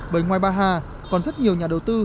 bởi ngoài bà hà còn rất nhiều nhà đầu tư